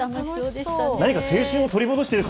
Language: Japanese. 何か青春を取り戻しているよ